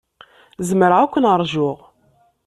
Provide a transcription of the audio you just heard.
Zemreɣ ad ken-ṛjuɣ.